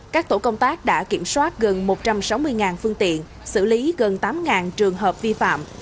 các tổ công tác đã kiểm soát gần một trăm sáu mươi phương tiện xử lý gần tám trường hợp vi phạm